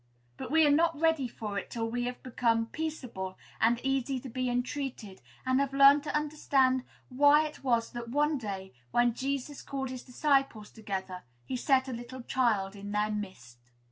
But we are not ready for it till we have become peaceable and easy to be entreated, and have learned to understand why it was that one day, when Jesus called his disciples together, he set a little child in their midst.